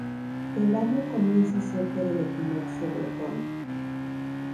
El año comienza cerca del equinoccio de otoño.